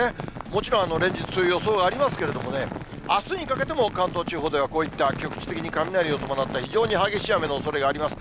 もちろん連日、予想ありますけれどもね、あすにかけても関東地方ではこういった局地的に雷を伴った非常に激しい雨のおそれがあります。